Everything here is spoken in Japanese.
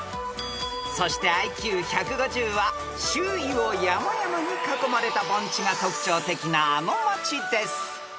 ［そしてＩＱ１５０は周囲を山々に囲まれた盆地が特徴的なあの町です］